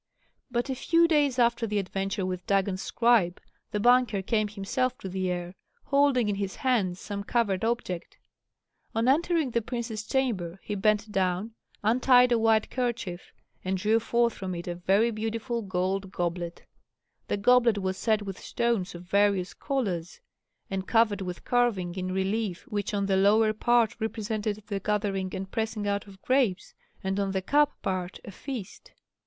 But a few days after the adventure with Dagon's scribe the banker came himself to the heir, holding in his hand some covered object. On entering the prince's chamber he bent down, untied a white kerchief, and drew forth from it a very beautiful gold goblet; the goblet was set with stones of various colors, and covered with carving in relief which on the lower part represented the gathering and pressing out of grapes and on the cup part a feast.